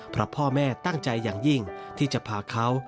เพราะพ่อแม่ตั้งใจอย่างยิ่งที่จะพาเขา